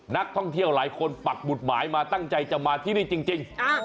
นักท่องเที่ยวหลายคนปักหมุดหมายมาตั้งใจจะมาที่นี่จริง